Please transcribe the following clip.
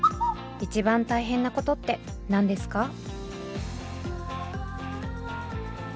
一番大変なことって何ですか？